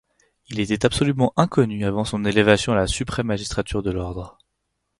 Il était absolument inconnu avant son élévation à la suprême magistrature de l'Ordre.